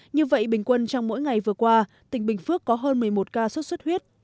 như vậy bình quân trong mỗi ngày vừa qua tỉnh bình phước có hơn một mươi một ca sốt xuất huyết